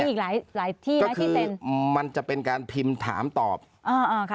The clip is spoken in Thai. มีอีกหลายหลายที่ไหมที่เซนก็คือมันจะเป็นการพิมพ์ถามตอบอ่าอ่า